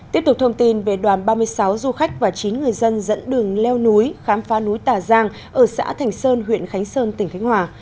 tiếp tục thông tin về đoàn ba mươi sáu du khách và chín người dân dẫn đường leo núi khám phá núi tà giang ở xã thành sơn huyện khánh sơn tỉnh khánh hòa